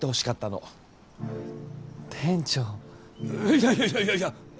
いやいやいやいやいや。